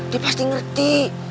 dia pasti ngerti